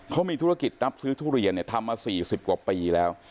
เขามีธุรกิจรับซื้อทุเรียนทำมา๔๐กว่าปีแล้ว